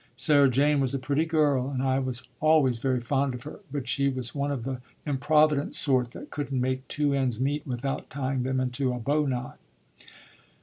Sarah Jane was a pretty girl and I was always very fond of her, but she was one of the improvident sort that couldn't make two ends meet without tying them into a bow knot."